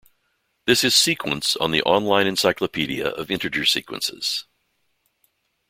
This is sequence on the On-Line Encyclopedia of Integer Sequences.